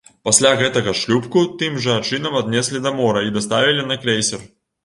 Пасля гэтага шлюпку тым жа чынам аднеслі да мора і даставілі на крэйсер.